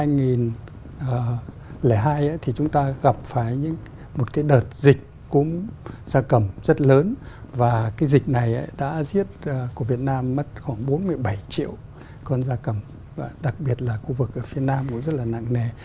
năm hai nghìn hai thì chúng ta gặp phải một cái đợt dịch cúm gia cầm rất lớn và cái dịch này đã giết của việt nam mất khoảng bốn mươi bảy triệu con da cầm và đặc biệt là khu vực ở phía nam cũng rất là nặng nề